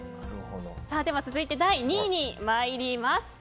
続いて、第２位に参ります。